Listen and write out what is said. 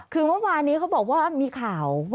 คือเมื่อวานนี้เขาบอกว่า